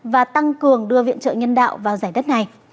và tăng cường đưa viện trợ nhân đạo vào giải đất này